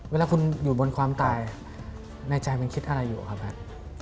เวลาคุณอยู่บนความตายในใจมันคิดอะไรอยู่ครับแพทย์